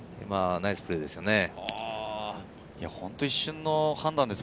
ナイスプレーです。